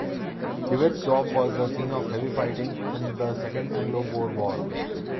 Dewetsdorp was the scene of heavy fighting in the Second Anglo-Boer War.